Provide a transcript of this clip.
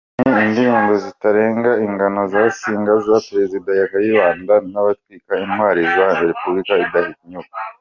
Urugero ni indirimbo zitagira ingano zasingizaga Perezida Kayibanda n’abitwaga intwari zazanye Repubulika ‘idahinyuka’.